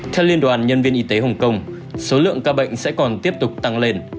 theo liên đoàn nhân viên y tế hồng kông số lượng ca bệnh sẽ còn tiếp tục tăng lên